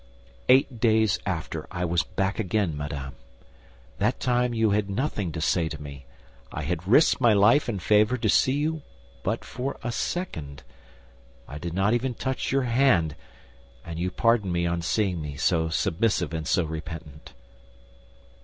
Eight days after, I was back again, madame. That time you had nothing to say to me; I had risked my life and favor to see you but for a second. I did not even touch your hand, and you pardoned me on seeing me so submissive and so repentant."